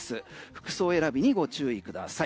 服装選びにご注意ください。